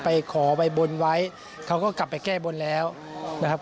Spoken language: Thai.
ไปขอใบบนไว้เขาก็กลับไปแก้บนแล้วนะครับ